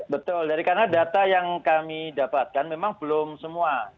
betul dari karena data yang kami dapatkan memang belum semua